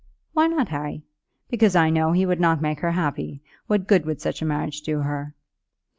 "Why not, Harry?" "Because I know he would not make her happy. What good would such a marriage do her?"